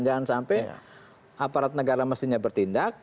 jangan sampai aparat negara mestinya bertindak